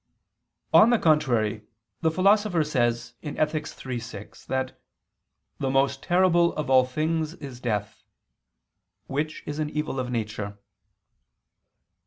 On the contrary, The Philosopher says (Ethic. iii, 6) that "the most terrible of all things is death," which is an evil of nature.